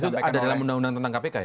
itu ada dalam undang undang tentang kpk ya